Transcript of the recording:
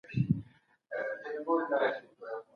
د نفوس زیاتوالی یوه لویه ټولنیز ننګونه ده.